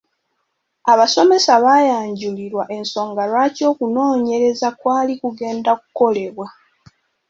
Abasomesa baayanjulirwa ensonga lwaki okunoonyereza kwali kugenda kukolebwa.